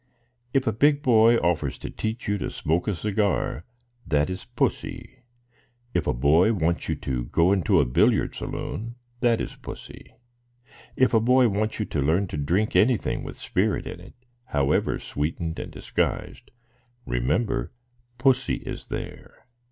If a big boy offers to teach you to smoke a cigar, that is Pussy. If a boy wants you to go into a billiard saloon, that is Pussy. If a boy wants you to learn to drink anything with spirit in it, however sweetened and disguised, remember Pussy is there.